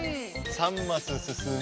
３マスすすむ。